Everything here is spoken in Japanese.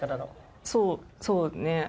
そうそうね。